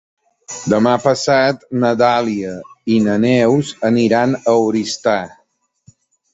Demà passat na Dàlia i na Neus aniran a Oristà.